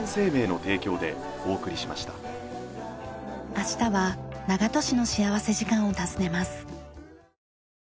明日は長門市の幸福時間を訪ねます。